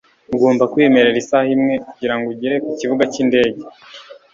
Ugomba kwemerera isaha imwe kugirango ugere kukibuga cyindege